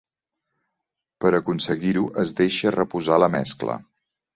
Per aconseguir-ho es deixa reposar la mescla.